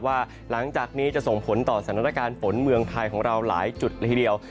หลังจากนี้จะส่งผลต่อสถานการณ์ฝนเมืองไทยของเราหลายจุดละทีเดียว